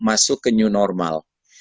masuk ke new normal